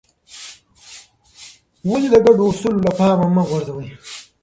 ولې د ګډو اصولو له پامه مه غورځوې؟